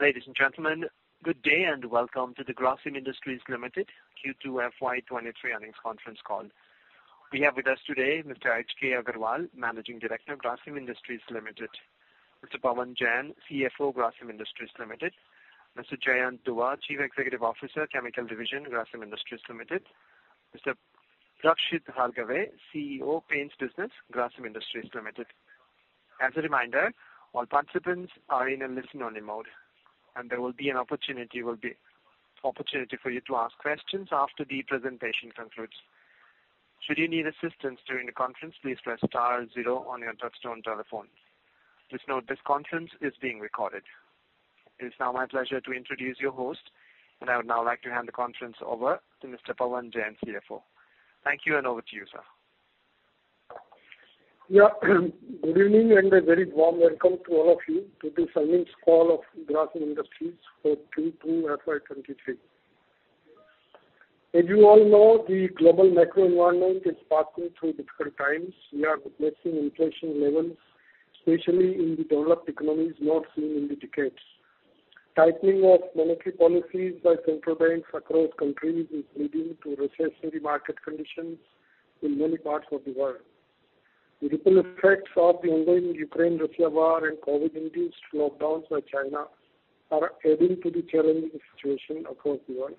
Ladies and gentlemen, good day and welcome to the Grasim Industries Limited Q2 FY 2023 Earnings Conference Call. We have with us today Mr. H.K. Agarwal, Managing Director of Grasim Industries Limited, Mr. Pavan Jain, CFO, Grasim Industries Limited, Mr. Jayant Dua, Chief Executive Officer, Chemical Division, Grasim Industries Limited, Mr. Rakshit Hargave, CEO, Paints Business, Grasim Industries Limited. As a reminder, all participants are in a listen-only mode, and there will be an opportunity for you to ask questions after the presentation concludes. Should you need assistance during the conference, please press star zero on your touch-tone telephone. Please note this conference is being recorded. It is now my pleasure to introduce your host, and I would now like to hand the conference over to Mr. Pavan Jain, CFO. Thank you, and over to you, sir. Yeah. Good evening and a very warm welcome to all of you to this Earnings Call of Grasim Industries for Q2 FY 2023. As you all know, the global macro environment is passing through difficult times. We are witnessing inflation levels, especially in the developed economies, not seen in decades. Tightening of monetary policies by central banks across countries is leading to recessionary market conditions in many parts of the world. The ripple effects of the ongoing Ukraine-Russia war and COVID-induced lockdowns by China are adding to the challenging situation across the world.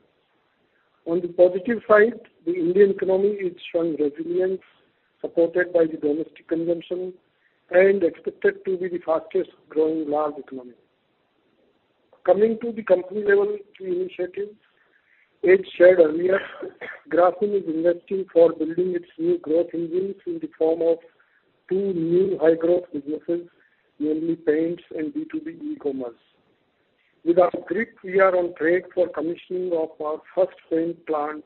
On the positive side, the Indian economy is showing resilience supported by the domestic consumption and expected to be the fastest-growing large economy. Coming to the company level key initiatives, as shared earlier, Grasim is investing for building its new growth engines in the form of two new high-growth businesses, namely paints and B2B e-commerce. With our paints, we are on track for commissioning of our first paint plant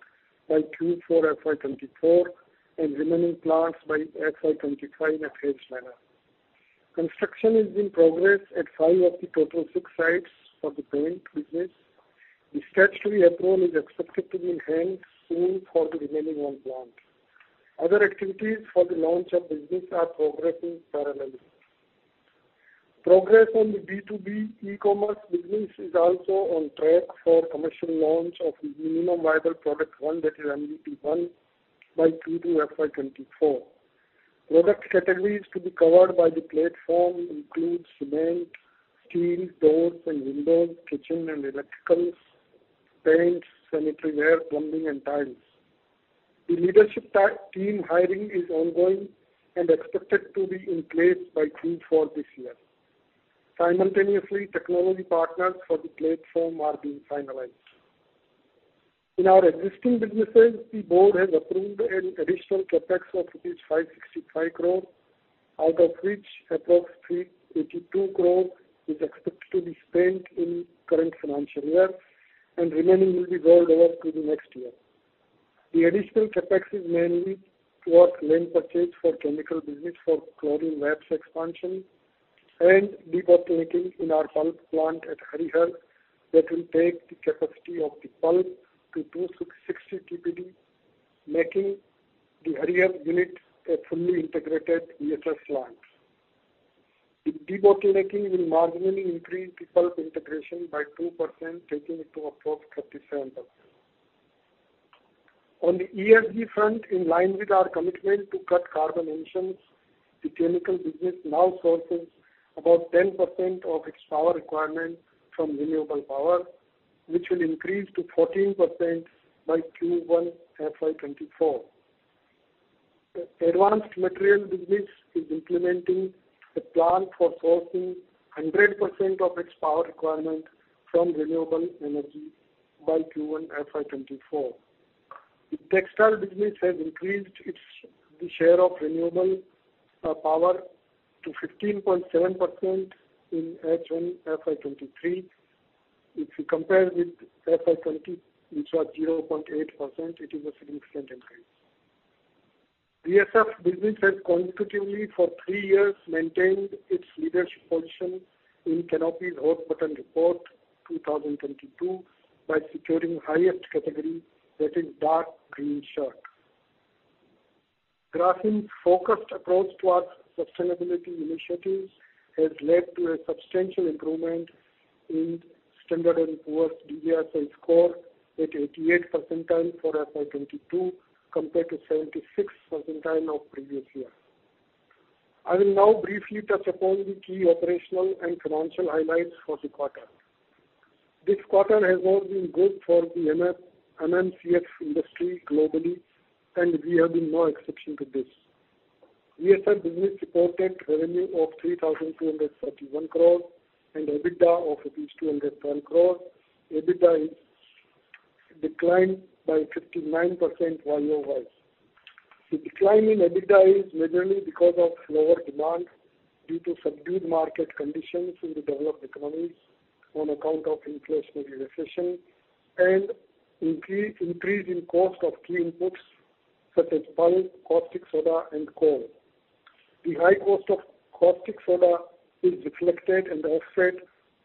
by Q4 FY 2024 and remaining plants by FY 2025 in Haryana. Construction is in progress at five of the total six sites for the paint business. The statutory approval is expected to be in hand soon for the remaining one plant. Other activities for the launch of business are progressing parallelly. Progress on the B2B e-commerce business is also on track for commercial launch of the Minimum Viable Product 1, that is MVP 1, by Q2 FY 2024. Product categories to be covered by the platform include cement, steel, doors and windows, kitchen and electricals, paints, sanitary ware, plumbing and tiles. The leadership team hiring is ongoing and expected to be in place by Q4 this year. Simultaneously, technology partners for the platform are being finalized. In our existing businesses, the board has approved an additional CapEx of 565 crore, out of which approx 382 crore is expected to be spent in current financial year and remaining will be rolled over to the next year. The additional CapEx is mainly towards land purchase for chemical business for chlorine works expansion and debottlenecking in our pulp plant at Harihar that will take the capacity of the pulp to 260 TPD, making the Harihar unit a fully integrated VSF plant. The debottlenecking will marginally increase the pulp integration by 2%, taking it to approx 37%. On the ESG front, in line with our commitment to cut carbon emissions, the chemical business now sources about 10% of its power requirement from renewable power which will increase to 14% by Q1 FY 2024. The advanced material business is implementing a plan for sourcing 100% of its power requirement from renewable energy by Q1 FY 2024. The textile business has increased its share of renewable power to 15.7% in H1 FY 2023, which we compared with FY 2020, which was 0.8%. It is a significant increase. VSF business has consecutively for three years maintained its leadership position in Canopy's Hot Button Report 2022 by securing highest category, that is dark green shirt. Grasim's focused approach towards sustainability initiatives has led to a substantial improvement in S&P's DJSI score at 88th percentile for FY 2022 compared to 76th percentile of previous year. I will now briefly touch upon the key operational and financial highlights for the quarter. This quarter has not been good for the MMCF industry globally, and we have been no exception to this. VSF business reported revenue of 3,231 crore and EBITDA of 210 crore. EBITDA is declined by 59% YoY. The decline in EBITDA is mainly because of lower demand due to subdued market conditions in the developed economies on account of inflationary recession and increase in cost of key inputs such as pulp, caustic soda and coal. The high cost of caustic soda is reflected and offset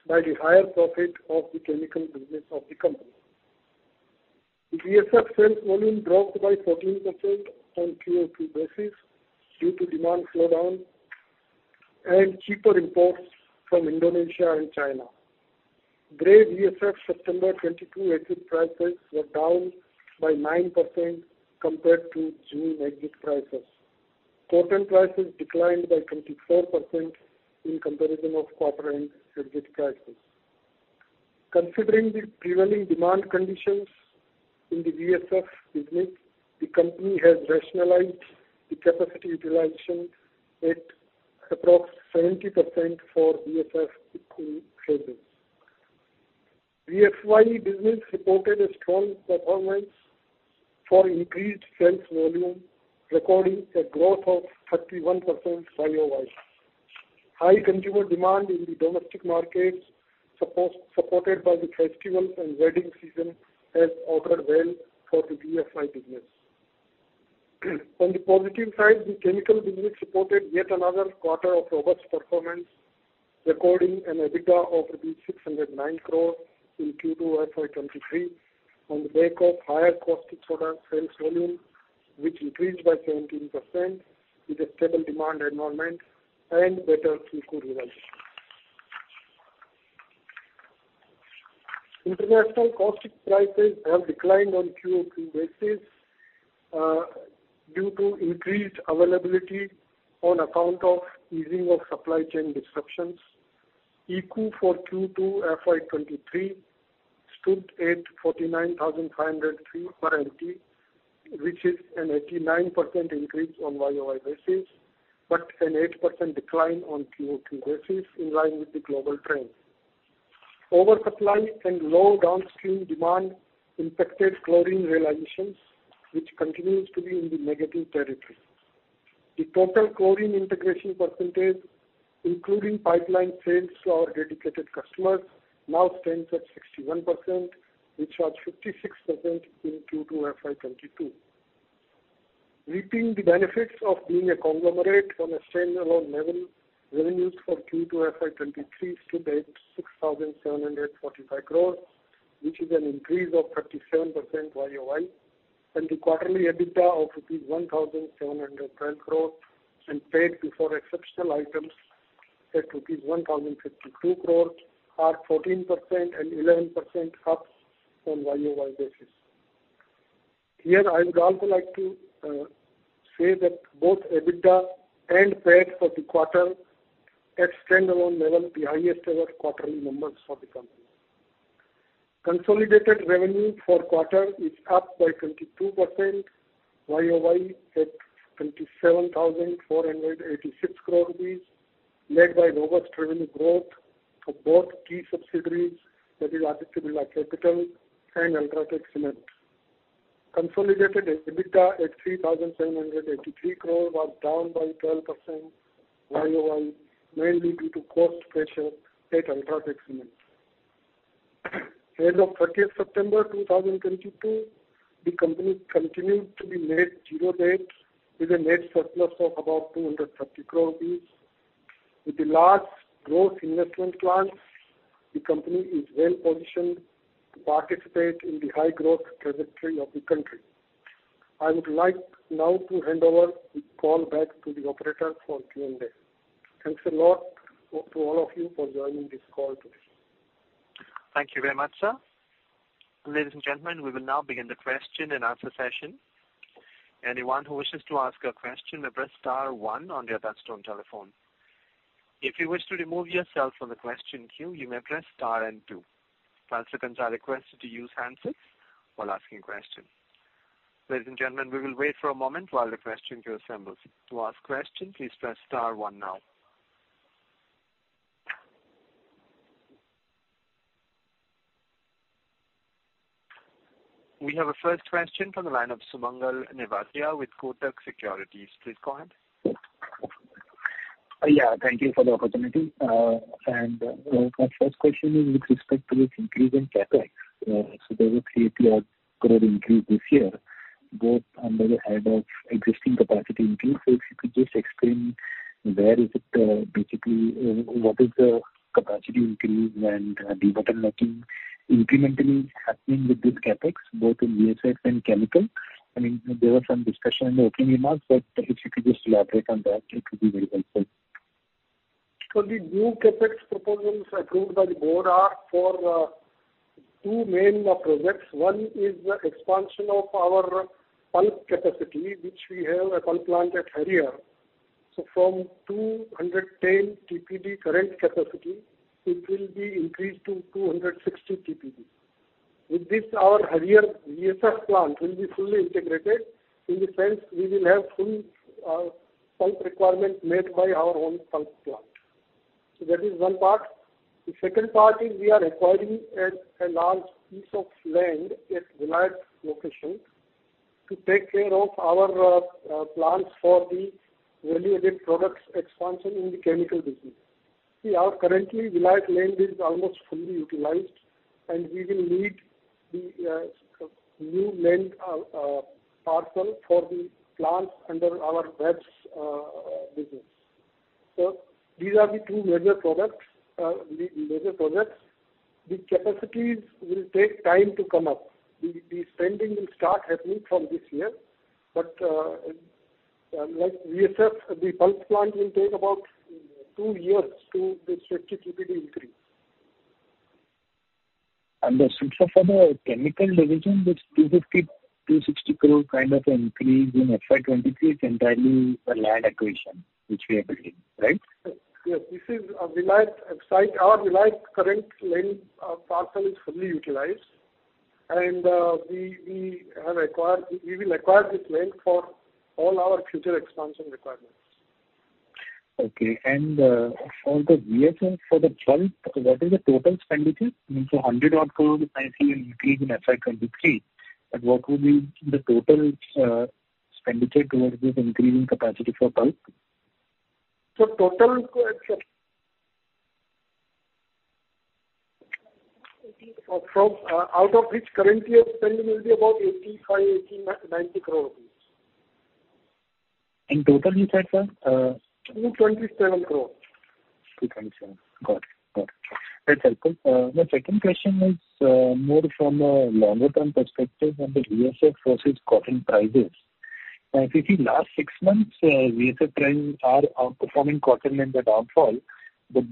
by the higher profit of the chemical business of the company. The VSF sales volume dropped by 14% on QOQ basis due to demand slowdown and cheaper imports from Indonesia and China. Grade VSF September 2022 exit prices were down by 9% compared to June exit prices. Cotton prices declined by 24% in comparison of quarter end exit prices. Considering the prevailing demand conditions in the VSF business, the company has rationalized the capacity utilization at approx 70% for VSF sales. VFY business reported a strong performance for increased sales volume, recording a growth of 31% YoY. High consumer demand in the domestic markets supported by the festival and wedding season has augured well for the VFY business. On the positive side, the chemical business reported yet another quarter of robust performance, recording an EBITDA of 609 crore in Q2 FY 2023 on the back of higher caustic soda sales volume, which increased by 17% with a stable demand environment and better Q2 realization. International caustic prices have declined on QOQ basis due to increased availability on account of easing of supply chain disruptions. ECU for Q2 FY 2023 stood at 49,503 per MT, which is an 89% increase on YoY basis, but an 8% decline on QoQ basis in line with the global trend. Oversupply and low downstream demand impacted chlorine realizations, which continues to be in the negative territory. The total chlorine integration percentage, including pipeline sales to our dedicated customers, now stands at 61%, which was 56% in Q2 FY 2022. Reaping the benefits of being a conglomerate on a standalone level, revenues for Q2 FY 2023 stood at 6,745 crores, which is an increase of 37% YoY, and the quarterly EBITDA of rupees 1,712 crore and PAT before exceptional items at rupees 1,052 crore are 14% and 11% up on YoY basis. Here, I would also like to say that both EBITDA and PAT for the quarter at standalone level, the highest ever quarterly numbers for the company. Consolidated revenue for quarter is up by 22% YoY at 27,486 crore rupees, led by robust revenue growth for both key subsidiaries, that is Aditya Birla Capital and UltraTech Cement. Consolidated EBITDA at 3,783 crore was down by 12% YoY, mainly due to cost pressure at UltraTech Cement. As of 30th September 2022, the company continued to be net zero debt with a net surplus of about 230 crore rupees. With the large growth investment plans, the company is well positioned to participate in the high growth trajectory of the country. I would like now to hand over the call back to the operator for Q&A. Thanks a lot to all of you for joining this call today. Thank you very much, sir. Ladies and gentlemen, we will now begin the question and answer session. Anyone who wishes to ask a question may press star one on their touchtone telephone. If you wish to remove yourself from the question queue, you may press star and two. Participants are requested to use handsets while asking question. Ladies and gentlemen, we will wait for a moment while the question queue assembles. To ask question, please press star one now. We have a first question from the line of Sumangal Nevatia with Kotak Securities. Please go ahead. Yeah, thank you for the opportunity. My first question is with respect to this increase in CapEx. There was 3,000 crore increase this year, both under the head of existing capacity increases. If you could just explain where it is, basically, what is the capacity increase and the bottom line incrementally happening with this CapEx, both in VSF and chemicals? I mean, there were some discussion in the opening remarks, but if you could just elaborate on that, it would be very helpful. The new CapEx proposals approved by the board are for two main projects. One is the expansion of our pulp capacity, which we have a pulp plant at Harihar. From 210 TPD current capacity, it will be increased to 260 TPD. With this, our Harihar VSF plant will be fully integrated. In the sense, we will have full pulp requirement met by our own pulp plant. That is one part. The second part is we are acquiring a large piece of land at Vilayat location to take care of our plants for the value-added products expansion in the chemical business. See, our current Vilayat land is almost fully utilized, and we will need the new land parcel for the plants under our RAPS business. These are the two major products, the major products. The capacities will take time to come up. The spending will start happening from this year. Like VSF, the pulp plant will take about two years to this 50 TPD increase. The 50 for the Chemical Division, this 250-260 crore kind of increase in FY 2023 is entirely the land acquisition which we are building, right? Yes. This is a Vilayat site. Our Vilayat current land parcel is fully utilized. We will acquire this land for all our future expansion requirements. Okay. For the VSF, for the pulp, what is the total expenditure? I mean, INR 100 odd crore is actually an increase in FY 2023. What will be the total expenditure towards this increasing capacity for pulp? Total from out of which currently our spend will be about 85-90 crore rupees. In total you said, sir. 227 crore. 227. Got it. That's helpful. My second question is more from a longer term perspective on the VSF versus cotton prices. Now, if you see last six months, VSF trends are outperforming cotton in the downfall.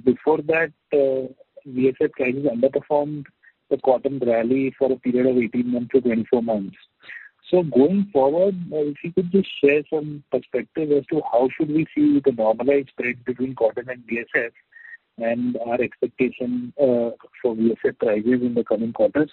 Before that, VSF prices underperformed the cotton rally for a period of 18 months-24 months. Going forward, if you could just share some perspective as to how should we see the normalized spread between cotton and VSF and our expectation for VSF prices in the coming quarters.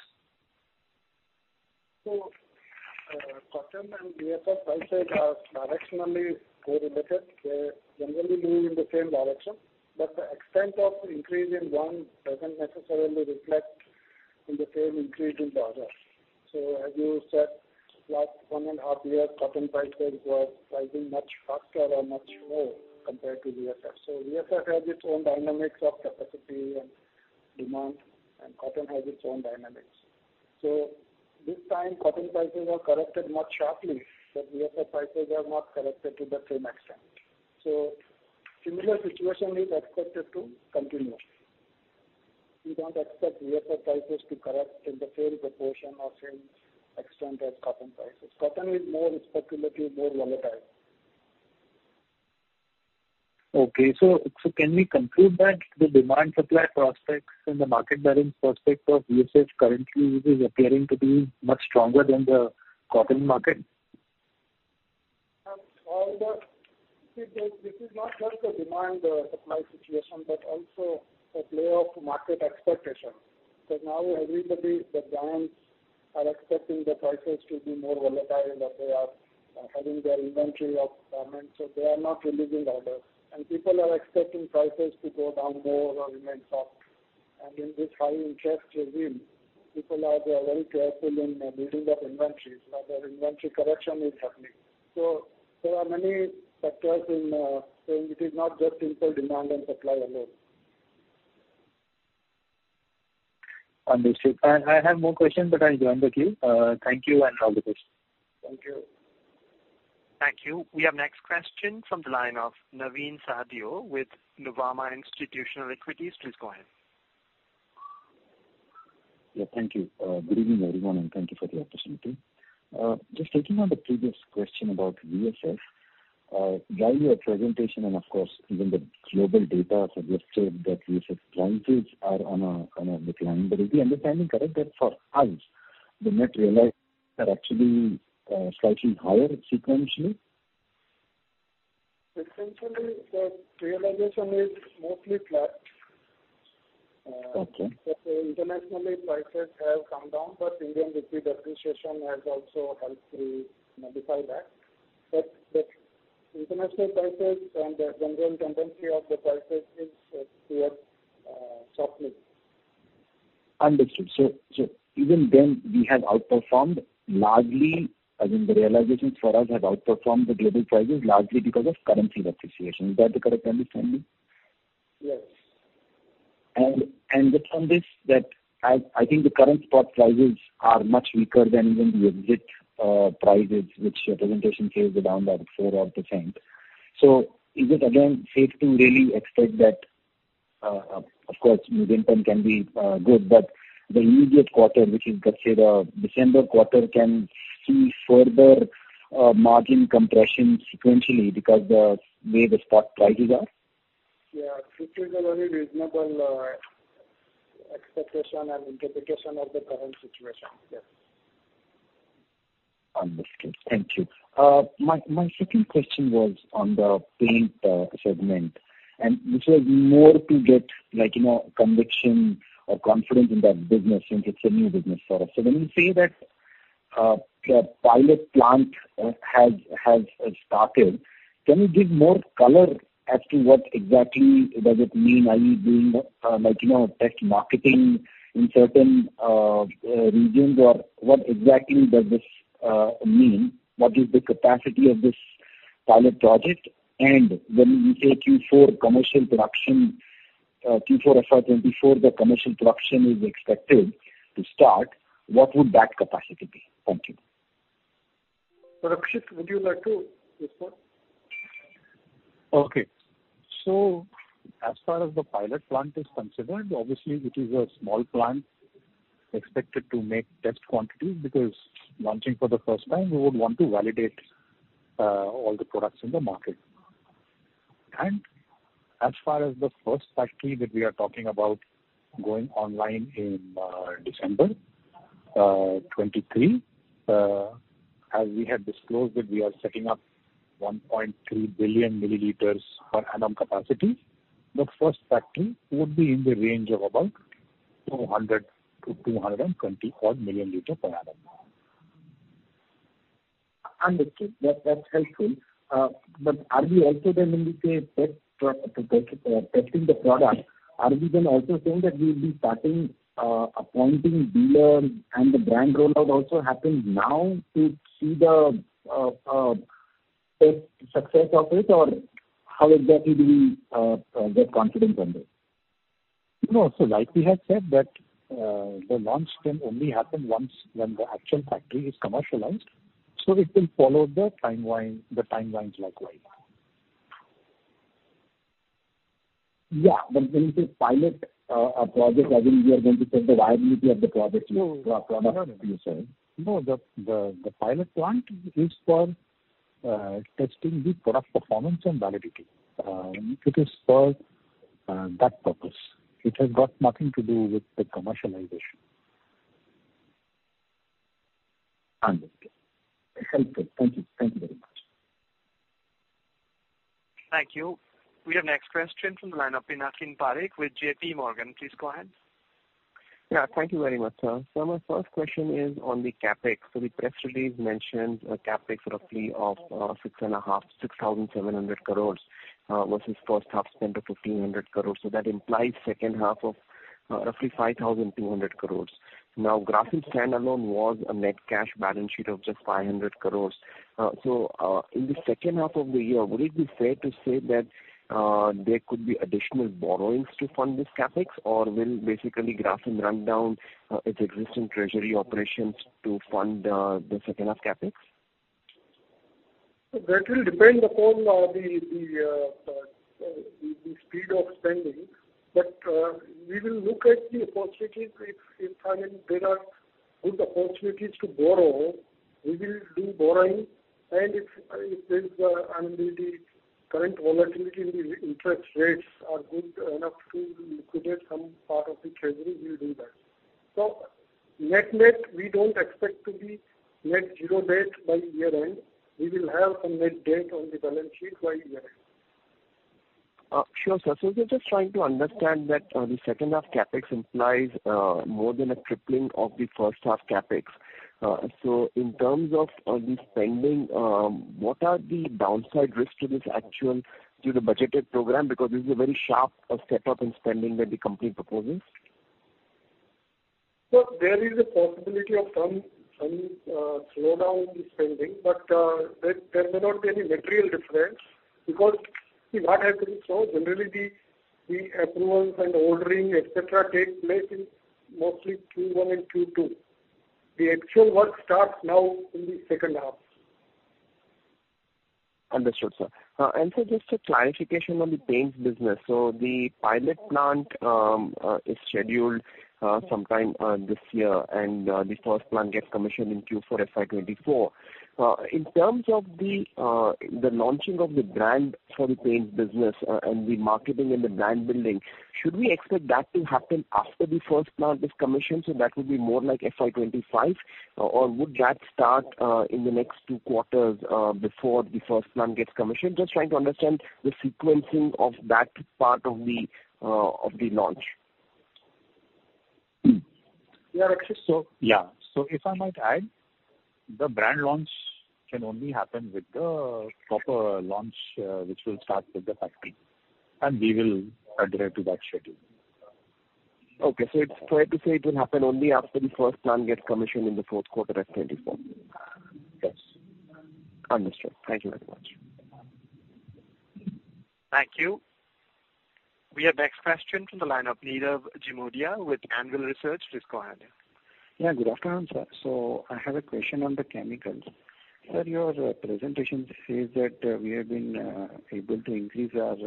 Cotton and VSF prices are directionally correlated. They generally move in the same direction, but the extent of increase in one doesn't necessarily reflect in the same increase in the other. As you said, last one and half years, cotton prices were rising much faster or much more compared to VSF. VSF has its own dynamics of capacity and demand, and cotton has its own dynamics. This time cotton prices have corrected much sharply, but VSF prices have not corrected to the same extent. Similar situation is expected to continue. We don't expect VSF prices to correct in the same proportion or same extent as cotton prices. Cotton is more speculative, more volatile. Can we conclude that the demand supply prospects and the market bearing prospects of VSF currently is appearing to be much stronger than the cotton market? This is not just a demand supply situation, but also a play of market expectations. Now everybody, the giants are expecting the prices to be more volatile, that they are having their inventory of garments, so they are not releasing orders. People are expecting prices to go down more or remain soft. In this high interest regime, people are they are very careful in building up inventories. Now their inventory correction is happening. There are many factors in. It is not just simple demand and supply alone. Understood. I have more questions, but I'll join the queue. Thank you and all the best. Thank you. Thank you. We have next question from the line of Navin Sahadeo with Nuvama Institutional Equities. Please go ahead. Yeah, thank you. Good evening, everyone, and thank you for the opportunity. Just taking on the previous question about VSF, during your presentation and of course even the global data suggests that VSF prices are on a kind of decline. Is the understanding correct that for us, the net realization are actually slightly higher sequentially? Essentially, the realization is mostly flat. Okay. Internationally prices have come down, but Indian rupee depreciation has also helped to modify that. International prices and the general tendency of the prices is to soften. Understood. Even then we have outperformed largely, as in the realizations for us have outperformed the global prices largely because of currency depreciation. Is that the correct understanding? Yes. The premise that I think the current spot prices are much weaker than even the exit prices which your presentation says were down by 4-odd%. Is it again safe to really expect that, of course, medium term can be good, but the immediate quarter, which is let's say the December quarter, can see further margin compression sequentially because the way the spot prices are? Yeah. This is a very reasonable expectation and interpretation of the current situation. Yes. Understood. Thank you. My second question was on the paint segment, and this was more to get like, you know, conviction or confidence in that business since it's a new business for us. When you say that pilot plant has started, can you give more color as to what exactly does it mean? Are you doing like, you know, test marketing in certain regions? Or what exactly does this mean? What is the capacity of this pilot project? And when you say Q4 commercial production, Q4 FY 2024 the commercial production is expected to start, what would that capacity be? Thank you. Rakshit, would you like to respond? Okay. As far as the pilot plant is considered, obviously, it is a small plant expected to make test quantities because launching for the first time, we would want to validate all the products in the market. As far as the first factory that we are talking about going online in December 2023, as we have disclosed that we are setting up 1.3 billion mL per annum capacity. The first factory would be in the range of about 200-220-odd million liters per annum. Understood. That, that's helpful. Are we also then when we say testing the product, are we then also saying that we will be starting appointing dealers and the brand rollout also happens now to see the test success of it? Or how exactly do we get confidence on this? No. Like we had said that, the launch can only happen once when the actual factory is commercialized, so it will follow the timeline, the timelines likewise. Yeah. When you say pilot, a project, I think we are going to test the viability of the project. No. or product, you're saying. No. The pilot plant is for testing the product performance and validity. It is for that purpose. It has got nothing to do with the commercialization. Understood. Helpful. Thank you. Thank you very much. Thank you. We have next question from the line of Pinakin Parekh with JPMorgan. Please go ahead. Yeah. Thank you very much, sir. My first question is on the CapEx. The press release mentions a CapEx roughly of 6,500-6,700 crores versus first half spend of 1,500 crores. That implies second half of roughly 5,200 crores. Now, Grasim standalone was a net cash balance sheet of just 500 crores. In the second half of the year, would it be fair to say that there could be additional borrowings to fund this CapEx? Or will basically Grasim run down its existing treasury operations to fund the second half CapEx? That will depend upon the speed of spending. We will look at the opportunities if and when there are good opportunities to borrow, we will do borrowing. If there's, I mean, the current volatility in the interest rates are good enough to liquidate some part of the treasury, we'll do that. Net-net, we don't expect to be net zero debt by year-end. We will have some net debt on the balance sheet by year-end. Sure, sir. We're just trying to understand that the second half CapEx implies more than a tripling of the first half CapEx. In terms of the spending, what are the downside risks to the budgeted program? Because this is a very sharp step-up in spending that the company proposes. There is a possibility of some slowdown in the spending. There may not be any material difference because what happens, so generally the approvals and ordering, et cetera, take place in mostly Q1 and Q2. The actual work starts now in the second half. Understood, sir. Just a clarification on the paints business. The pilot plant is scheduled sometime this year, and the first plant gets commissioned in Q4 FY 2024. In terms of the launching of the brand for the paint business, and the marketing and the brand building, should we expect that to happen after the first plant is commissioned, so that would be more like FY 2025? Or would that start in the next two quarters before the first plant gets commissioned? Just trying to understand the sequencing of that part of the launch. Yeah, Rakshit. Yeah. If I might add, the brand launch can only happen with the proper launch, which will start with the factory, and we will adhere to that schedule. Okay. It's fair to say it will happen only after the first plant gets commissioned in the fourth quarter of 2024. Yes. Understood. Thank you very much. Thank you. We have next question from the line of Nirav Jimudia with Anvil Research. Please go ahead, Nirav. Yeah, good afternoon, sir. I have a question on the chemicals. Sir, your presentation says that we have been able to increase our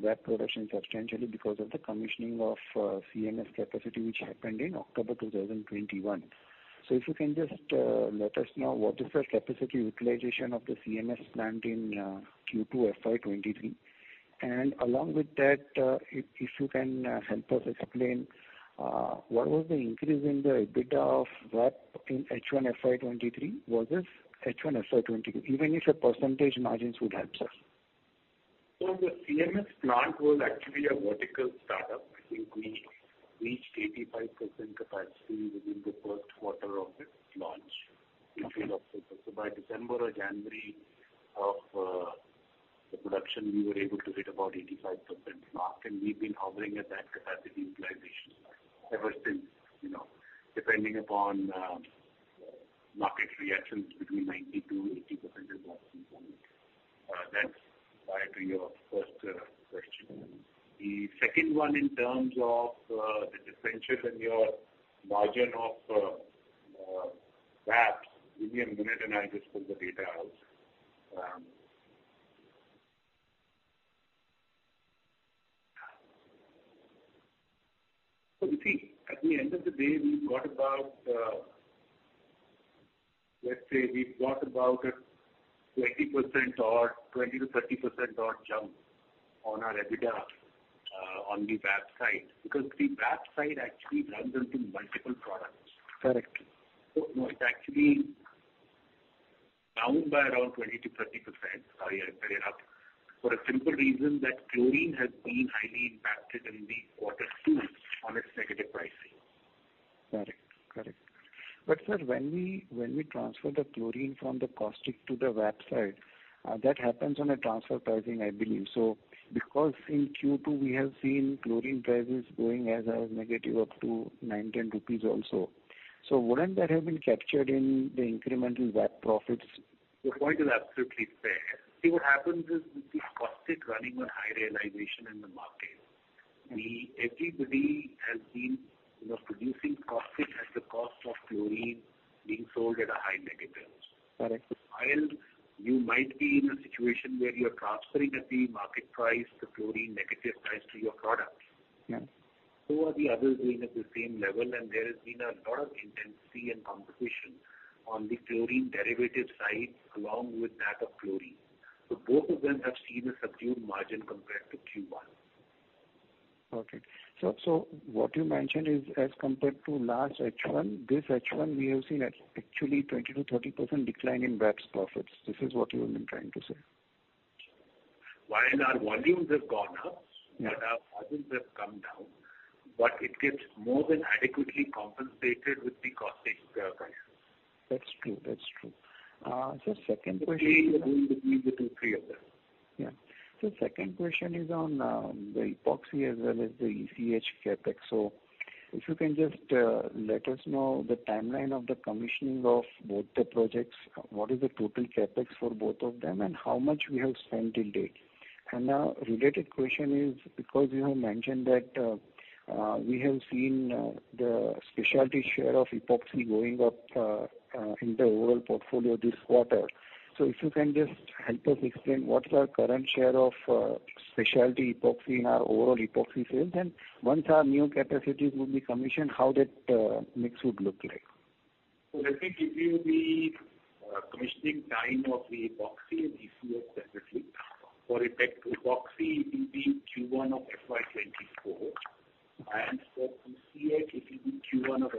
VAP production substantially because of the commissioning of CMS capacity which happened in October 2021. If you can just let us know what is the capacity utilization of the CMS plant in Q2 FY 2023. Along with that, if you can help us explain what was the increase in the EBITDA of VAP in H1 FY 2023 versus H1 FY 2022. Even if a percentage margins would help, sir. The CMS plant was actually a vertical startup. I think we reached 85% capacity within the first quarter of its launch in field October. By December or January of the production, we were able to hit about 85% mark, and we've been hovering at that capacity utilization ever since, you know. Depending upon market reactions between 90%-80% is what we found. That's why to your first, The second one in terms of the differential in your margin of VAPS. Give me a minute, and I'll just pull the data out. You see, at the end of the day, we've got about, let's say we've got about a 20% or 20%-30% odd jump on our EBITDA, on the VAP side because the VAP side actually runs into multiple products. Correct. No, it's actually down by around 20%-30% or year-on-year up for a simple reason that chlorine has been highly impacted in the quarter two on its negative pricing. Correct. Sir, when we transfer the chlorine from the caustic to the VAP side, that happens on a transfer pricing, I believe. Because in Q2, we have seen chlorine prices going as negative up to 9-10 rupees also. Wouldn't that have been captured in the incremental VAP profits? Your point is absolutely fair. See, what happens is with the caustic running on high realization in the market. Everybody has been, you know, producing caustic at the cost of chlorine being sold at a high negative. Correct. While you might be in a situation where you're transferring at the market price, the chlorine negative price to your product. Yeah. Are the others doing at the same level, and there has been a lot of intensity and competition on the chlorine derivative side, along with that of chlorine. Both of them have seen a subdued margin compared to Q1. What you mentioned is as compared to last H1, this H1 we have seen an actual 20%-30% decline in VAPS profits. This is what you have been trying to say. While our volumes have gone up. Yeah. Our margins have come down, but it gets more than adequately compensated with the caustic price. That's true. Second question. The play is going to be between three of them. Yeah. Second question is on the epoxy as well as the ECH CapEx. If you can just let us know the timeline of the commissioning of both the projects. What is the total CapEx for both of them, and how much we have spent till date? Now related question is because you have mentioned that we have seen the specialty share of epoxy going up in the overall portfolio this quarter. If you can just help us explain what is our current share of specialty epoxy in our overall epoxy sales, and once our new capacities will be commissioned, how that mix would look like. Let me give you the commissioning time of the epoxy and ECH specifically. For the epoxy, it will be Q1 of FY 2024. Okay. For ECH, it will be Q1 of FY 2025.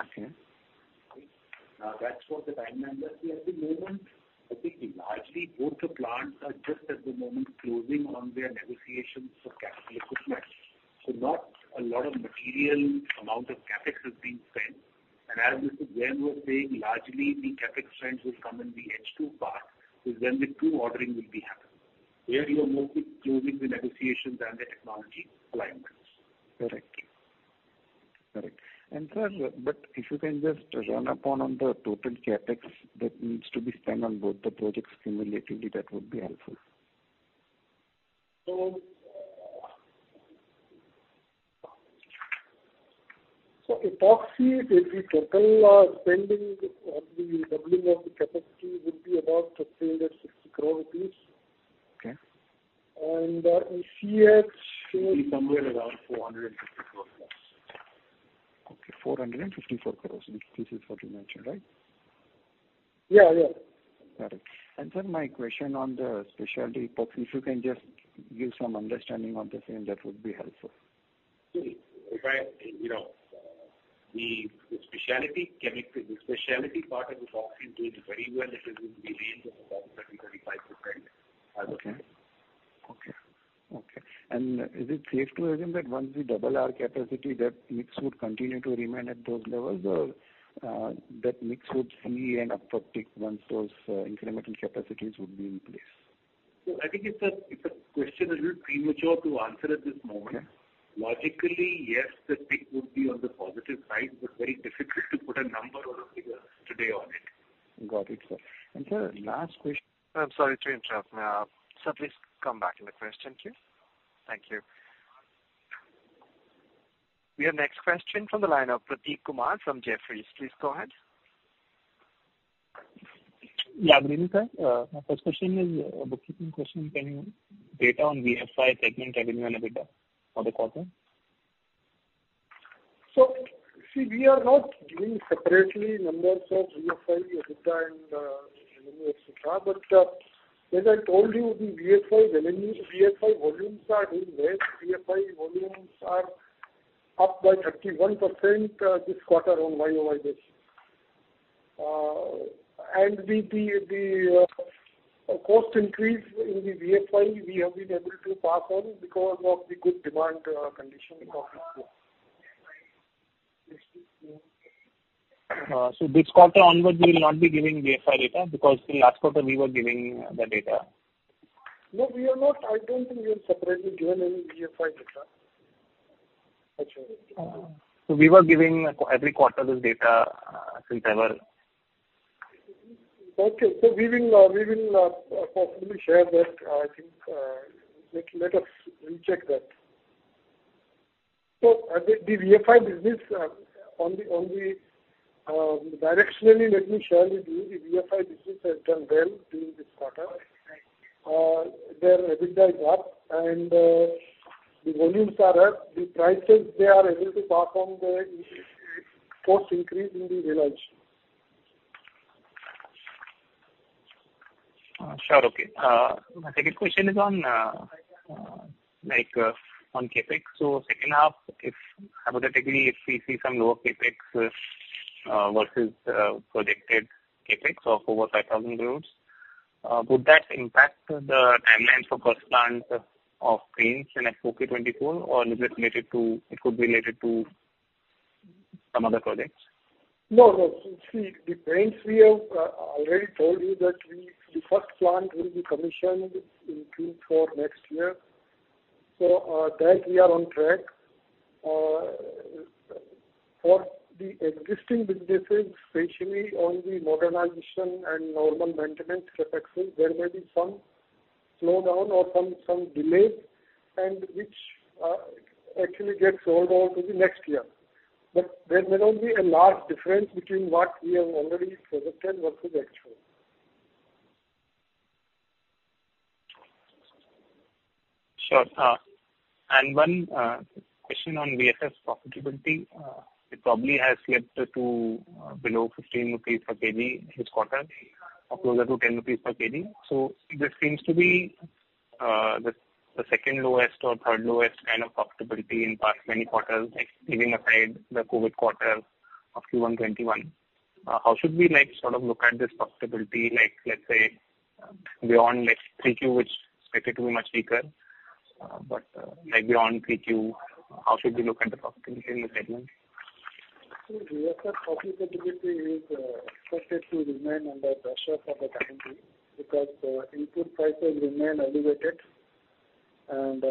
Okay. Now, that's what the team members see at the moment. I think largely both the plants are just at the moment closing on their negotiations for capital equipment. Not a lot of material amount of CapEx has been spent. As Mr. Pavan Jain was saying, largely the CapEx trends will come in the H2 part, is when the two ordering will be happening. Here, you are mostly closing the negotiations and the technology alignments. Correct. Sir, if you can just touch upon the total CapEx that needs to be spent on both the projects cumulatively, that would be helpful. Epoxy, if we total our spending on the doubling of the capacity would be about 3,860 crore rupees. Okay. ECH Will be somewhere around 450 crore plus. Okay, 454 crore. This is what you mentioned, right? Yeah, yeah. Got it. Sir, my question on the specialty epoxy, if you can just give some understanding on the same, that would be helpful. See, if I, you know, the specialty chemical, the specialty part of epoxy is doing very well. It is in the range of about 30-35% as of now. Okay. Is it safe to assume that once we double our capacity, that mix would continue to remain at those levels or, that mix would see an uptick once those incremental capacities would be in place? I think it's a question a little premature to answer at this moment. Okay. Logically, yes, the tick would be on the positive side, but very difficult to put a number or a figure today on it. Got it, sir. Sir, last quest- I'm sorry to interrupt. Sir, please come back in the queue, please. Thank you. We have next question from the line of Prateek Kumar from Jefferies. Please go ahead. Yeah, good evening, sir. My first question is a bookkeeping question. Can you give data on VSF segment revenue and EBITDA for the quarter? See, we are not giving separately numbers of VFY EBITDA and revenue, et cetera. As I told you, the VFY revenue, VFY volumes are doing well. VFY volumes are up by 31%, this quarter on YoY basis. And the cost increase in the VFY, we have been able to pass on because of the good demand condition in quarter two. This quarter onwards, you will not be giving VFY data because the last quarter we were giving the data. No, I don't think we have separately given any VFY data. We were giving every quarter this data since ever. Okay. We will possibly share that. I think, let us recheck that. The VFY business only directionally, let me share with you, the VFY business has done well during this quarter. Their EBITDA is up and the volumes are up. The prices they are able to pass on the cost increase in the realized. My second question is on, like, on CapEx. Second half, if hypothetically if we see some lower CapEx versus projected CapEx of over 5,000 crore, would that impact the timelines for first plant of paints in FY 2024 or is it related to some other projects? No, no. See, the paints we have already told you that we, the first plant will be commissioned in Q4 next year. That we are on track. For the existing businesses, especially on the modernization and normal maintenance CapEx, there may be some slowdown or some delays and which actually gets rolled over to the next year. There may not be a large difference between what we have already projected versus actual. Sure. One question on VSF profitability. It probably has slipped to below 15 rupees per kg this quarter or closer to 10 rupees per kg. This seems to be the second lowest or third lowest kind of profitability in past many quarters, like leaving aside the COVID quarter of Q1 2021. How should we like sort of look at this profitability like, let's say, beyond like 3Q, which is expected to be much weaker. Like beyond 3Q, how should we look at the profitability in this segment? VSF profitability is expected to remain under pressure for the time being because input prices remain elevated and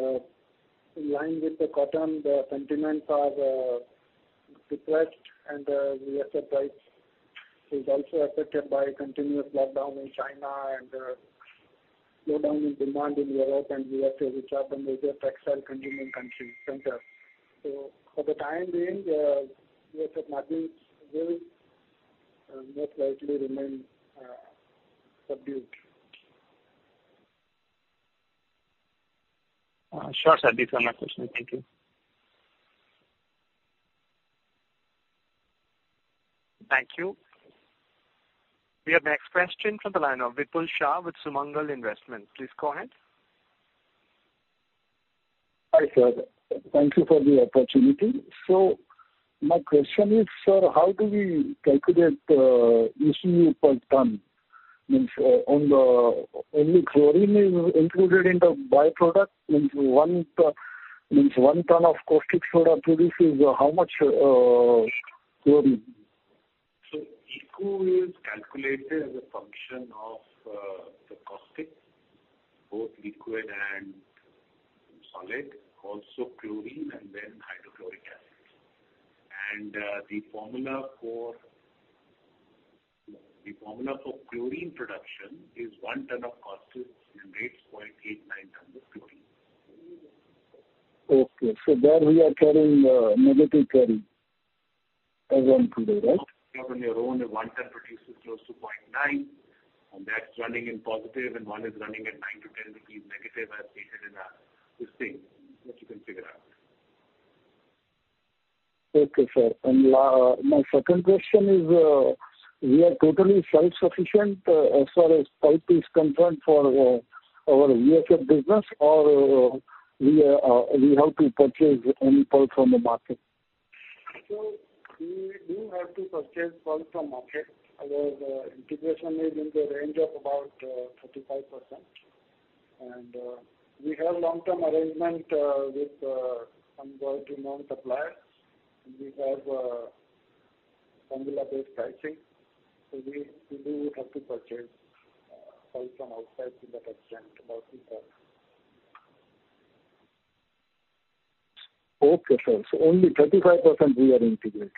in line with the cotton, the sentiments are depressed and VSF price is also affected by continuous lockdown in China and slowdown in demand in Europe and U.S., which are the major textile consuming countries, centers. For the time being, the VSF margins will most likely remain subdued. Sure, sir. These are my questions. Thank you. Thank you. We have next question from the line of Vipul Shah with Sumangal Investments. Please go ahead. Hi, sir. Thank you for the opportunity. My question is, sir, how do we calculate ECU per ton? Means only chlorine is included in the by-product. Means one ton of Caustic Soda produces how much chlorine? ECU is calculated as a function of the caustic, both liquid and solid, also chlorine and then hydrochloric acid. The formula for chlorine production is 1 ton of caustic generates 0.89 ton of chlorine. Okay. There we are carrying negative carry as on today, right? On your own, 1 ton produces close to 0.9, and that's running in positive and one is running at 9-10 negative as stated in our listing, which you can figure out. Okay, sir. My second question is, we are totally self-sufficient, as far as pulp is concerned for our VSF business or we have to purchase any pulp from the market? We do have to purchase pulp from market. Our integration is in the range of about 35%. We have long-term arrangement with one to two known suppliers. We have a formula-based pricing. We do have to purchase pulp from outside to that extent about 35%. Okay, sir. Only 35% we are integrated.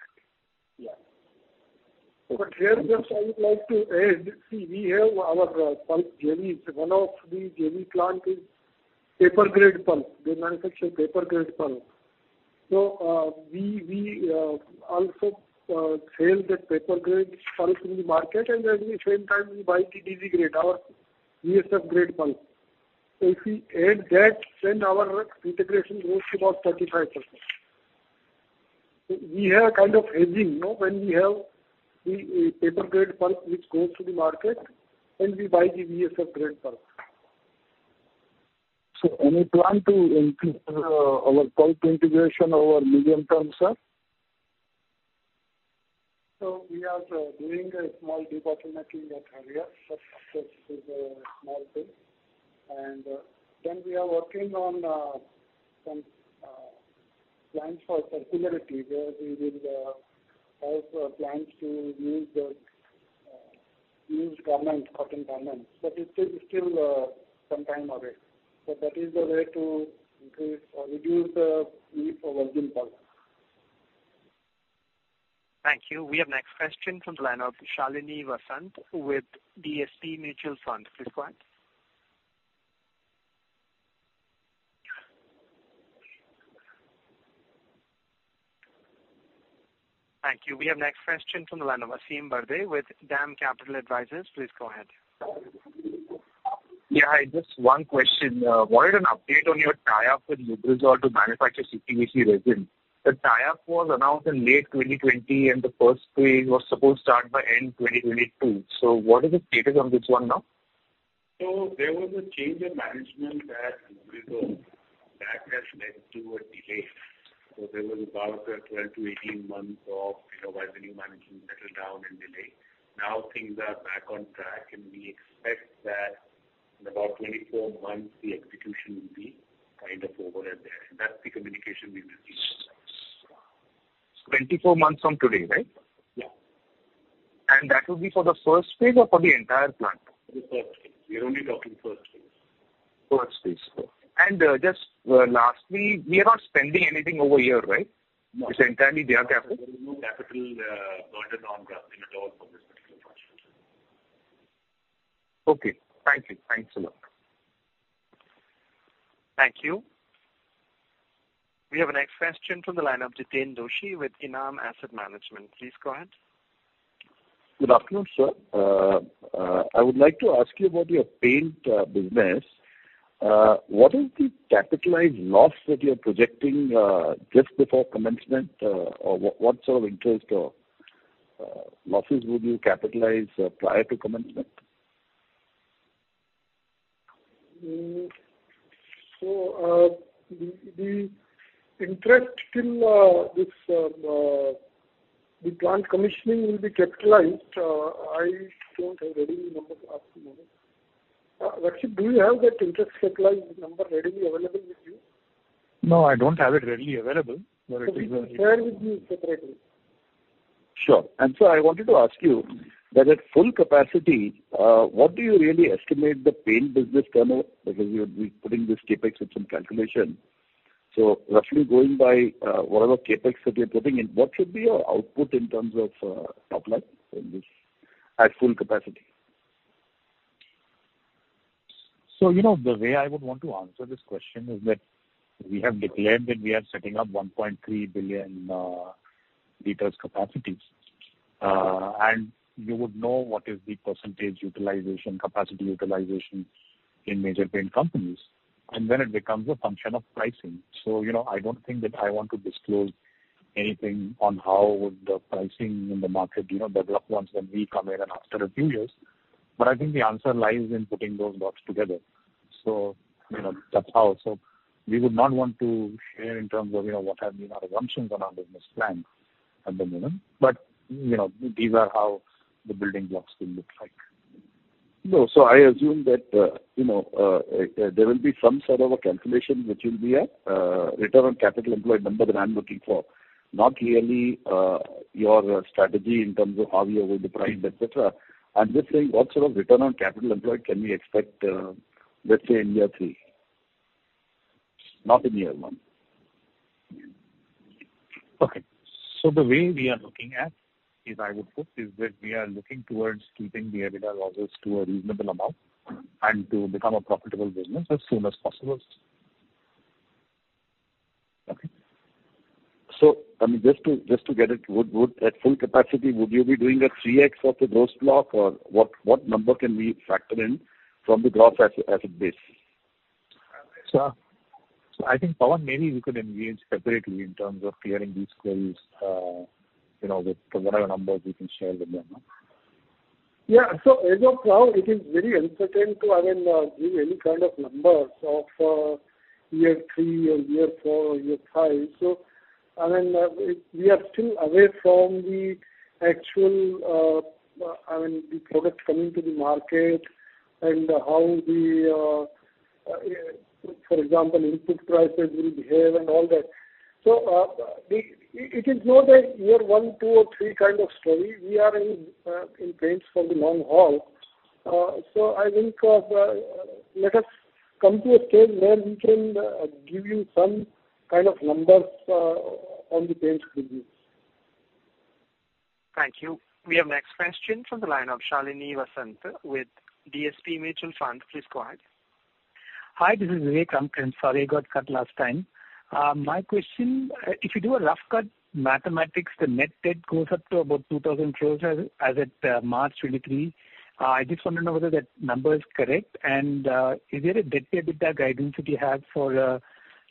Here just I would like to add, see we have our pulp JV. One of the JV plant is paper grade pulp. They manufacture paper grade pulp. We also sell that paper grade pulp in the market and at the same time we buy DWP grade, our VSF grade pulp. If we add that then our integration goes to about 35%. We have kind of hedging, you know, when we have the paper grade pulp which goes to the market and we buy the VSF grade pulp. Any plan to increase our pulp integration over medium term, sir? We are doing a small depulping making at Harihar. That is a small thing. We are working on some plans for circularity where we will have plans to use the used garment, cotton garments. It's still some time away. That is the way to increase or reduce the need for virgin pulp. Thank you. We have next question from the line of Shalini Vasanth with DSP Mutual Fund. Please go ahead. Thank you. We have next question from the line of Aasim Bharde with DAM Capital Advisors. Please go ahead. Just one question. What is an update on your tie-up with Lubrizol to manufacture CPVC resin? The tie-up was announced in late 2020, and the first phase was supposed to start by end 2022. What is the status on this one now? There was a change in management at Lubrizol that has led to a delay. There was about 12-18 months of, you know, as the new management settled down and delayed. Now things are back on track, and we expect that in about 24 months the execution will be kind of over out there. That's the communication we received. 24 months from today, right? Yeah. That will be for the first phase or for the entire plant? The first phase. We're only talking first phase. First phase. Just, lastly, we are not spending anything over here, right? No. It's entirely their capital. There's no capital burden on Grasim at all for this particular project. Okay. Thank you. Thanks a lot. Thank you. We have a next question from the line of Jiten Doshi with Enam Asset Management. Please go ahead. Good afternoon, sir. I would like to ask you about your paint business. What is the capitalized loss that you're projecting just before commencement? What sort of interest or losses would you capitalize prior to commencement? The interest till this plant commissioning will be capitalized. I don't have the number ready at the moment. Rakshit Hargave, do you have that interest capitalized number readily available with you? No, I don't have it readily available, but it will. We will share with you separately. Sure. I wanted to ask you that at full capacity, what do you really estimate the paint business turnover? Because you'll be putting this CapEx with some calculation. Roughly going by, whatever CapEx that you're putting in, what should be your output in terms of top line in this at full capacity? You know, the way I would want to answer this question is that we have declared that we are setting up 1.3 billion liters capacity. And you would know what is the percentage utilization, capacity utilization in major paint companies. And then it becomes a function of pricing. You know, I don't think that I want to disclose anything on how would the pricing in the market, you know, develop once when we come in and after a few years. I think the answer lies in putting those dots together. You know, that's how. We would not want to share in terms of, you know, what have been our assumptions on our business plan at the minimum. You know, these are how the building blocks will look like. No. I assume that, you know, there will be some sort of a calculation which will be a return on capital employed number that I'm looking for, not really your strategy in terms of how you're going to price, et cetera. I'm just saying what sort of return on capital employed can we expect, let's say in year three, not in year one. Okay. The way we are looking at is, I would put, is that we are looking towards keeping the EBITDA losses to a reasonable amount and to become a profitable business as soon as possible. Okay. I mean, just to get it, at full capacity, would you be doing a 3x of the gross profit or what number can we factor in from the growth as a base? I think, Pawan, maybe we could engage separately in terms of clearing these queries, you know, with whatever numbers we can share with you. As of now it is very uncertain to give any kind of numbers of year three or year four or year five. I mean, we are still away from the actual product coming to the market and how the for example input prices will behave and all that. It is not a year one, two or three kind of story. We are in paints for the long haul. I think let us come to a stage where we can give you some kind of numbers on the paint business. Thank you. We have next question from the line of Shalini Vasanta with DSP Mutual Fund. Please go ahead. Hi, this is Vivek. I'm sorry I got cut last time. My question, if you do a rough cut mathematics, the net debt goes up to about 2,000 crores as at March 2023. I just want to know whether that number is correct. Is there a debt-to-EBITDA guidance that you have for a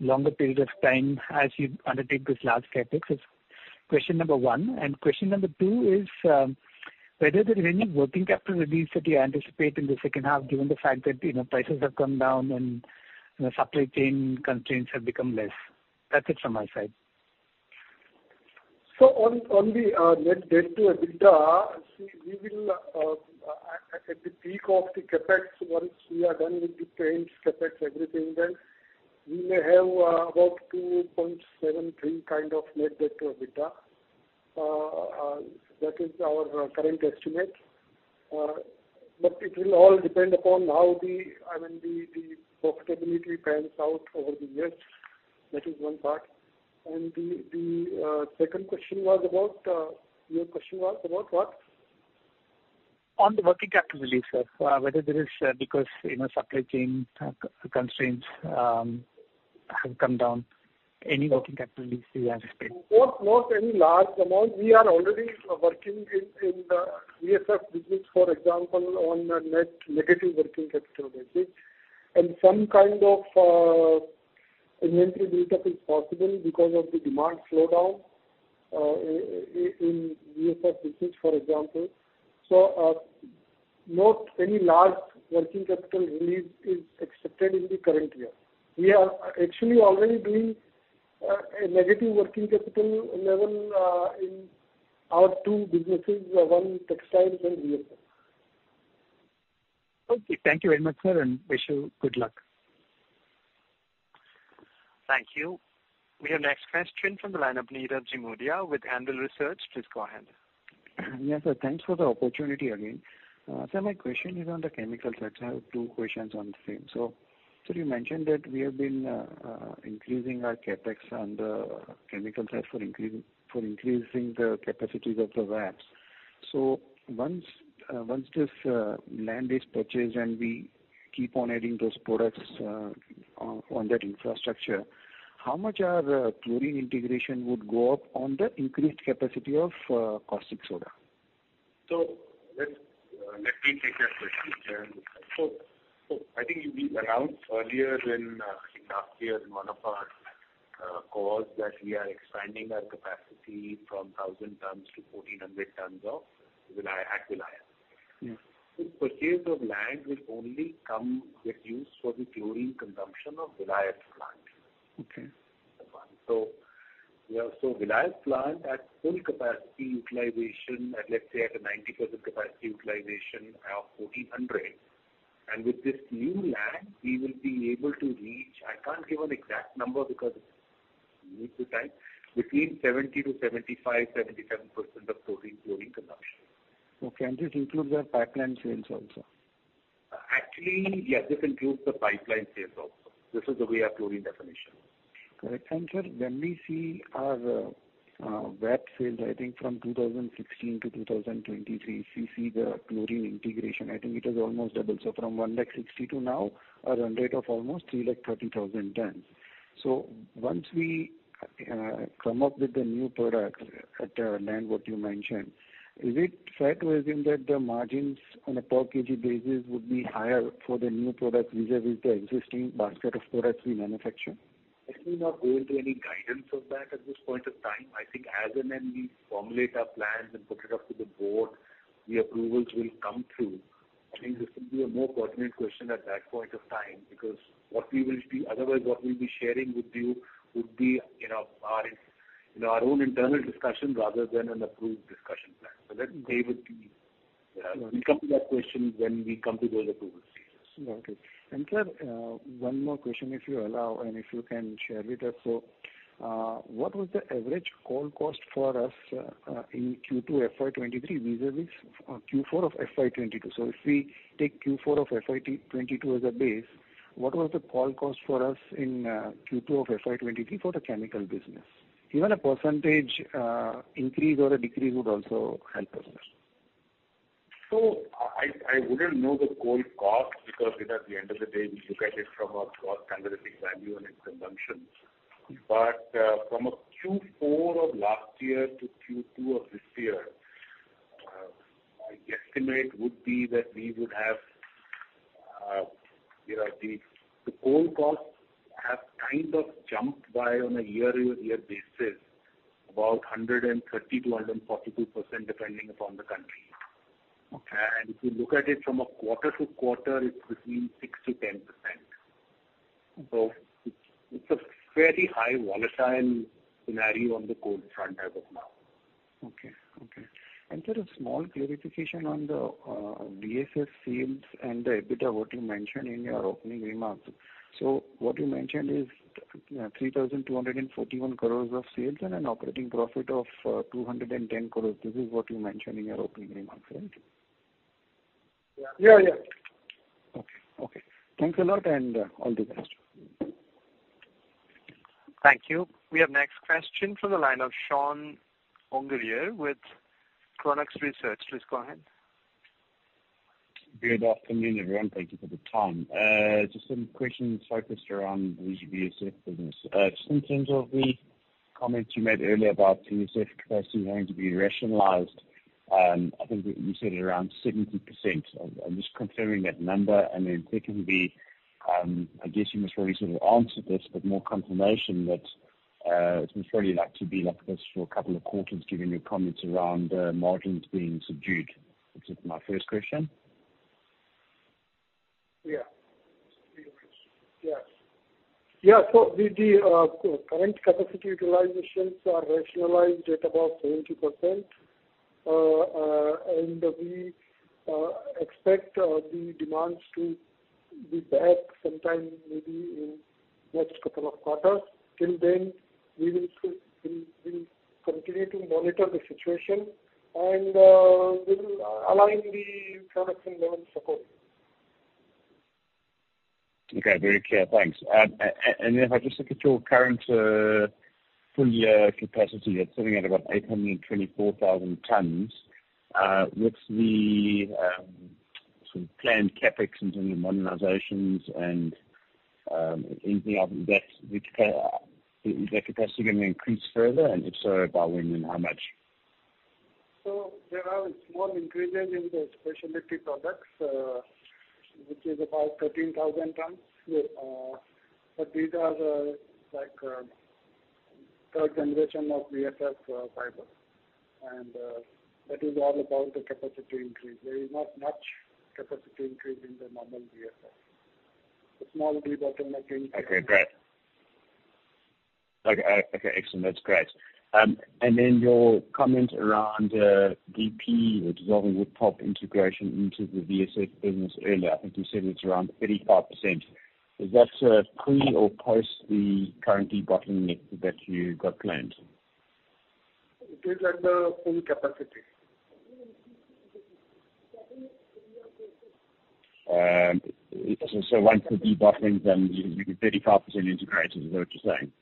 longer period of time as you undertake this large CapEx? Is question number one. Question number two is, whether there is any working capital release that you anticipate in the second half, given the fact that, you know, prices have come down and, you know, supply chain constraints have become less. That's it from my side. On the net debt to EBITDA, we will, at the peak of the CapEx, once we are done with the paints CapEx, everything, then we may have about 2.73 kind of net debt to EBITDA. That is our current estimate. It will all depend upon how, I mean, the profitability pans out over the years. That is one part. The second question was about what? On the working capital release, sir. Whether there is, because, you know, supply chain constraints have come down, any working capital release we have seen. Not any large amount. We are already working in the VSF business, for example, on a net negative working capital basis. Some kind of inventory buildup is possible because of the demand slowdown in VSF business, for example. Not any large working capital release is expected in the current year. We are actually already doing a negative working capital level in our two businesses, one textiles and VSF. Okay. Thank you very much, sir, and wish you good luck. Thank you. We have next question from the line of Nirav Jimudia with Anvil Research. Please go ahead. Yes, sir. Thanks for the opportunity again. My question is on the chemical sector. I have two questions on the same. You mentioned that we have been increasing our CapEx on the chemical side for increasing the capacities of the VAP. Once this land is purchased and we keep on adding those products on that infrastructure, how much our chlorine integration would go up on the increased capacity of Caustic Soda? Let me take that question. I think we announced earlier in last year in one of our calls that we are expanding our capacity from 1,000 tons-1,400 tons at Vilayat. Yes. The purchase of land will only come into use for the chlorine consumption of Vilayat plant. Okay. We have Vilayat plant at full capacity utilization, let's say, at 90% capacity utilization of 1,400. With this new land, we will be able to reach, I can't give an exact number because we need to tie, between 70%-75%, 77% of total chlorine consumption. Okay. This includes our pipeline sales also? Actually, yes, this includes the pipeline sales also. This is the way our chlorine definition. Correct. Sir, when we see our VAP sales, I think from 2016-2023, we see the chlorine integration. I think it is almost double. From 160 to now a run rate of almost 330,000 tons. Once we come up with the new product at the plant what you mentioned, is it fair to assume that the margins on a per kg basis would be higher for the new product vis-a-vis the existing basket of products we manufacture? Let me not go into any guidance of that at this point of time. I think as and when we formulate our plans and put it up to the board, the approvals will come through. I think this will be a more pertinent question at that point of time, because otherwise, what we'll be sharing with you would be, you know, our, you know, our own internal discussion rather than an approved discussion plan. So let me leave it to be. Right. We'll come to that question when we come to those approval stages. Okay. Sir, one more question, if you allow and if you can share with us. What was the average coal cost for us in Q2 FY 2023 vis-à-vis Q4 of FY 2022? If we take Q4 of FY 2022 as a base, what was the coal cost for us in Q2 of FY 2023 for the chemical business? Even a percentage increase or a decrease would also help us, sir. I wouldn't know the coal cost because at the end of the day, we look at it from a cost standardizing value and its consumption. From a Q4 of last year to Q2 of this year, my estimate would be that we would have, you know, the coal costs have kind of jumped by on a year-over-year basis about 130-142%, depending upon the country. Okay. If you look at it from a quarter to quarter, it's between 6%-10%. Okay. It's a fairly highly volatile scenario on the coal front as of now. Okay. Sir, a small clarification on the VSF sales and the EBITDA, what you mentioned in your opening remarks. What you mentioned is you know, 3,241 crores of sales and an operating profit of 210 crores. This is what you mentioned in your opening remarks, right? Yeah. Yeah. Okay. Thanks a lot, and all the best. Thank you. We have next question from the line of Sean Ungerer with Chronux Research. Please go ahead. Good afternoon, everyone. Thank you for the time. Just some questions focused around the VSF business. Just in terms of the comments you made earlier about VSF capacity having to be rationalized, I think you said around 70%. I'm just confirming that number. Secondly, I guess you must've already sort of answered this, but more confirmation that it's probably likely to be like this for a couple of quarters given your comments around margins being subdued. This is my first question. Current capacity utilizations are rationalized at about 70%. We expect the demands to be back sometime maybe in next couple of quarters. Till then, we will continue to monitor the situation and we will align the production level accordingly. Okay. Very clear. Thanks. If I just look at your current full year capacity, that's sitting at about 824,000 tons. With the sort of planned CapEx and doing the modernizations and anything of that, which is that capacity gonna increase further? And if so, by when and how much? There are small increases in the specialty products, which is about 13,000 tons. But these are the third generation of VSF fiber. That is all about the capacity increase. There is not much capacity increase in the normal VSF. The small debottlenecking- Okay, great. Excellent. That's great. Your comment around DWP or Dissolving Wood Pulp integration into the VSF business earlier, I think you said it's around 35%. Is that pre or post the current debottlenecking that you got planned? It is at the full capacity. Once the debottleneck, then you do 35% integration, is that what you're saying?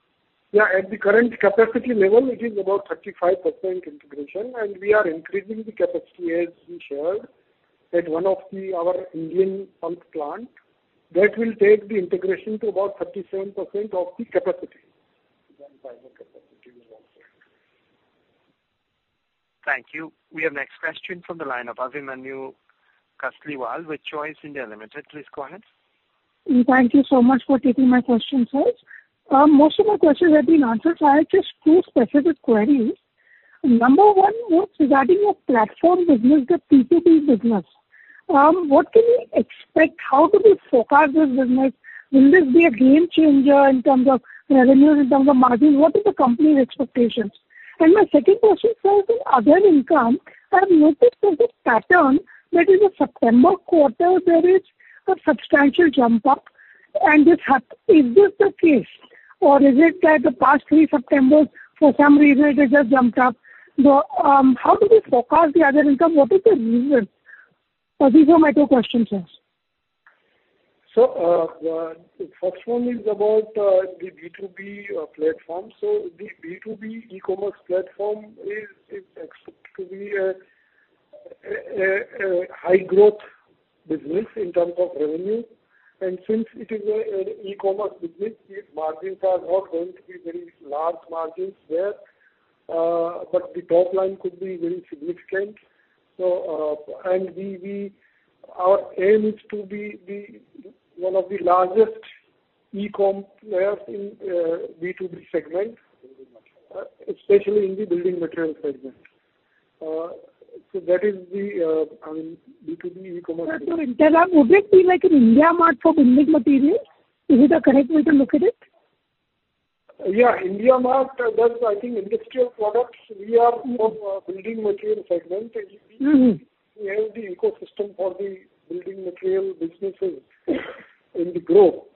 Yeah, at the current capacity level, it is about 35% integration, and we are increasing the capacity, as we shared, at our Indian pulp plant. That will take the integration to about 37% of the capacity, the end fiber capacity. Thank you. We have next question from the line of Abhimanyu Kasliwal with Choice India Limited. Please go ahead. Thank you so much for taking my questions, sir. Most of my questions have been answered. I have just two specific queries. Number one was regarding your platform business, the B2B business. What can we expect? How do we forecast this business? Will this be a game changer in terms of revenues, in terms of margins? What is the company's expectations? My second question, sir, is in other income. I have noticed there's a pattern that in the September quarter there is a substantial jump up. Is this the case or is it that the past three Septembers for some reason it has jumped up? How do we forecast the other income? What is the reason? These are my two questions, sir. The first one is about the B2B platform. The B2B e-commerce platform is expected to be a high growth business in terms of revenue. Since it is an e-commerce business, its margins are not going to be very large margins there. The top line could be very significant. Our aim is to be one of the largest e-com players in B2B segment, especially in the building material segment. That is the, I mean, B2B e-commerce- Sir, would it be like an IndiaMART for building materials? Is it a correct way to look at it? IndiaMART does, I think, industrial products. We are from building material segment. We- Mm-hmm. We have the ecosystem for the building material businesses in the group.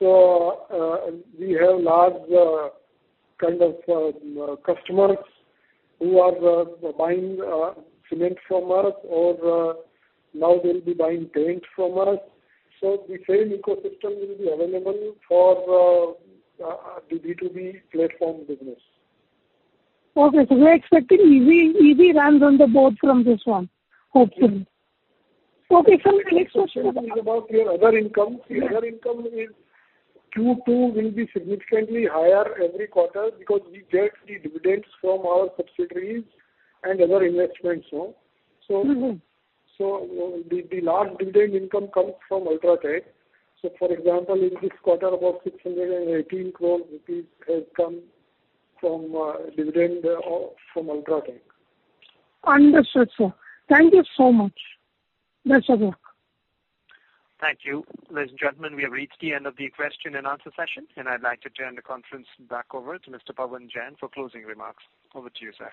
We have large, kind of, customers who are buying cement from us or, now, they'll be buying paints from us. The same ecosystem will be available for the B2B platform business. Okay. We're expecting easy runs on the board from this one, hopefully. Yes. Okay, sir. My next question. Next question is about your other income. Yes. The other income in Q2 will be significantly higher every quarter because we get the dividends from our subsidiaries and other investments now. Mm-hmm. The large dividend income comes from UltraTech. For example, in this quarter about 618 crore rupees has come from dividend from UltraTech. Understood, sir. Thank you so much. Best of luck. Thank you. Ladies and gentlemen, we have reached the end of the question and answer session, and I'd like to turn the conference back over to Mr. Pavan Jain for closing remarks. Over to you, sir.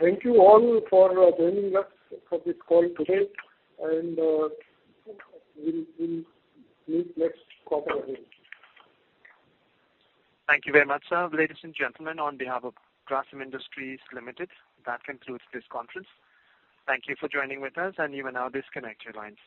Thank you all for joining us for this call today, and we'll meet next quarter again. Thank you very much, sir. Ladies and gentlemen, on behalf of Grasim Industries Limited, that concludes this conference. Thank you for joining with us, and you may now disconnect your lines.